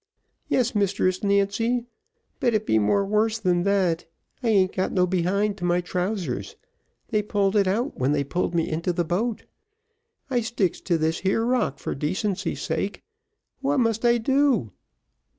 "Yes, Mistress Nancy, but it be more worse than that, I an't got no behind to my trousers, they pulled it out when they pulled me into the boat. I sticks to this here rock for decency's sake. What must I do?"